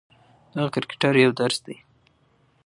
د هغه کرکټر یو درس دی.